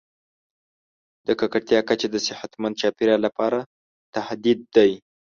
د ککړتیا کچه د صحتمند چاپیریال لپاره تهدید دی.